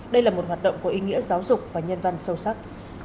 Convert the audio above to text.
đây là một hoạt động có ý nghĩa giáo dục và nhân văn sâu sắc